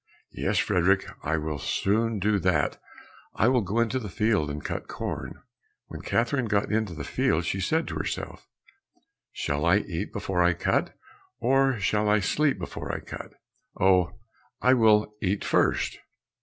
"Yes, Frederick, I will soon do that, I will go into the field and cut corn." When Catherine got into the field, she said to herself, "Shall I eat before I cut, or shall I sleep before I cut? Oh, I will eat first."